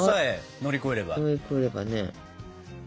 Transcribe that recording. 乗り越えればね。